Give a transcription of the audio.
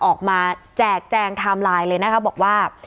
แจกแจงไทม์ไลน์เลยนะคะบอกว่า